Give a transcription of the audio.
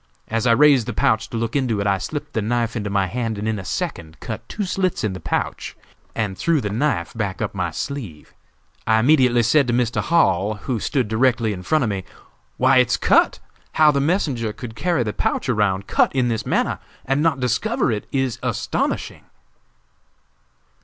As I raised the pouch to look into it, I slipped the knife into my hand and in a second cut two slits in the pouch and threw the knife back up my sleeve. I immediately said to Mr. Hall, who stood directly in front of me, 'Why, it's cut! How the messenger could carry the pouch around, cut in this manner, and not discover it, is astonishing!'